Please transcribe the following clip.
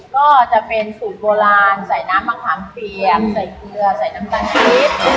ก็จะเป็นสูตรโบราณใส่น้ำมะขามเปียกใส่เกลือใส่น้ำตาลทิพย์